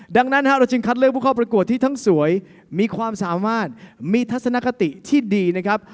ดังนั้นเราจึงคัดเลือกผู้เข้าประกวดที่ทั้งสวยมีความสามารถมีทัศนคติที่ดีนะครับ